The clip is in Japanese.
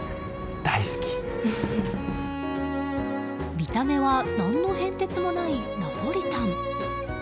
見た目は何の変哲もないナポリタン。